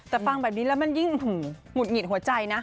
แต่ฟังแบบนี้แล้วมันยิ่งหงุดหงิดหัวใจนะ